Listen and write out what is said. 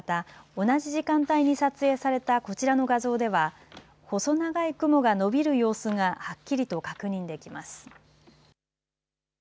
また同じ時間帯に撮影されたこちらの画像では細長い雲が延びる様子がはっきりと確認できます。